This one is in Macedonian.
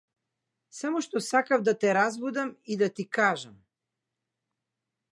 Само што сакав да те разбудам и да ти кажам.